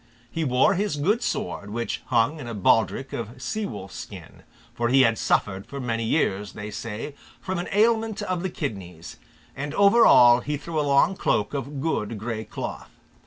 He wore his good sword, which hung in a baldric of sea wolf's skin, for he had suffered for many years, they say, from an ailment of the kidneys; and over all he threw a long cloak of good grey cloth.